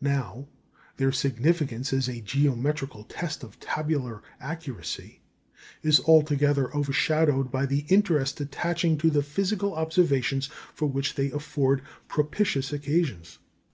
Now, their significance as a geometrical test of tabular accuracy is altogether overshadowed by the interest attaching to the physical observations for which they afford propitious occasions.